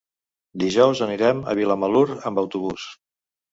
Dijous anirem a Vilamalur amb autobús.